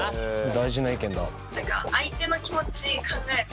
大事な意見だ。